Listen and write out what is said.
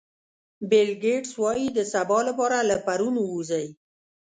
بیل ګېټس وایي د سبا لپاره له پرون ووځئ.